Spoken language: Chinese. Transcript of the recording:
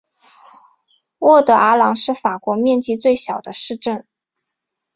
沃德尔朗是法国面积最小的市镇。